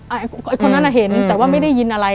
ไอ้คนนั้นน่ะเห็นแต่ว่าไม่ได้ยินอะไร